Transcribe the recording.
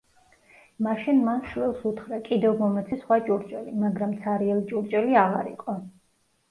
მაშინ მან შვილს უთხრა, კიდევ მომეცი სხვა ჭურჭელი, მაგრამ ცარიელი ჭურჭელი აღარ იყო.